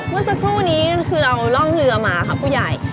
เมื่อสักครู่นี้คือเราร่องเรือมาค่ะผู้ใหญ่